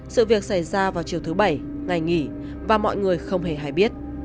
sự việc xảy ra vào chiều thứ bảy ngày nghỉ và mọi người không hề hay biết